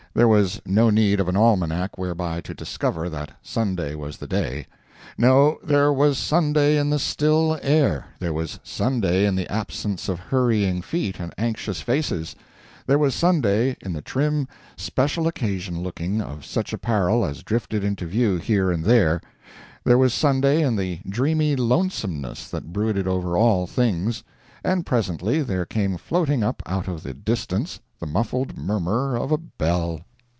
There was no need of an almanac whereby to discover that Sunday was the day. No—there was Sunday in the still air; there was Sunday in the absence of hurrying feet and anxious faces; there was Sunday in the trim, special occasion look of such apparel as drifted into view here and there; there was Sunday in the dreamy lonesomeness that brooded over all things; and presently there came floating up out of the distance the muffled murmur of a bell.